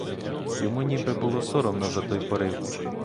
Йому ніби було соромно за той порив.